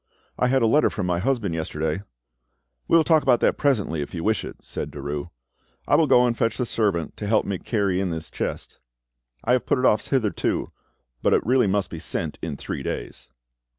I had a letter from my husband yesterday——" "We will talk about that presently, if you wish it," said Derues. "I will go and fetch the servant to help me to carry in this chest. I have put it off hitherto, but it really must be sent in three days."